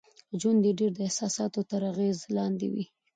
ژوند يې ډېر د احساساتو تر اغېز لاندې وي.